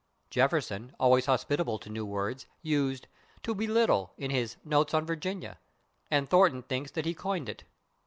Jefferson, always hospitable to new words, used /to belittle/ in his "Notes on Virginia," and Thornton thinks that he coined it.